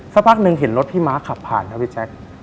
สักพักหนึ่งเห็นรถพี่ม้าขับผ่านครับพี่แจ๊ค